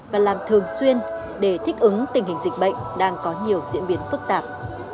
và làm thường xuyên để thích ứng tình hình dịch bệnh đang có nhiều diễn biến phức tạp